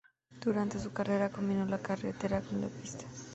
Durante su carrera combinó la carretera con la pista.